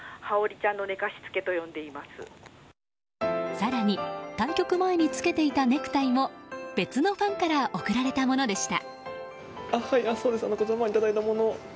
更に、対局前に着けていたネクタイも別のファンから贈られたものでした。